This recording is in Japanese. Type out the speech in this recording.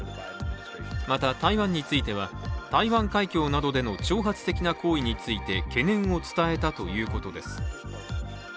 また、台湾については台湾海峡などでの挑発的な行為について懸念を伝えたということです。